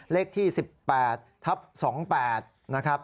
เลขที่๑๘ทับ๒๘นะครับ